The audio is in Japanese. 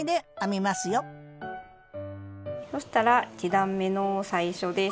よそしたら１段めの最初です。